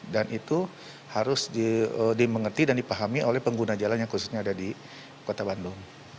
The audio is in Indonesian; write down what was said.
dan itu harus dimengerti dan dipahami oleh pengguna jalan yang khususnya ada di kota bandung